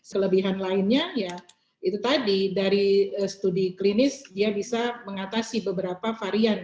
kelebihan lainnya ya itu tadi dari studi klinis dia bisa mengatasi beberapa varian